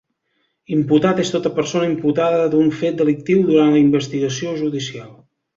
Imputat és tota persona imputada d'un fet delictiu durant la investigació judicial.